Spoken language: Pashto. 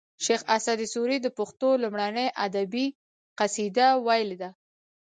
شیخ اسعد سوري د پښتو لومړنۍ ادبي قصیده ویلې ده